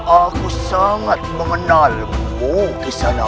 aku sangat mengenalmu di sana